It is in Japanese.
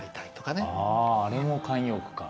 あれも慣用句か。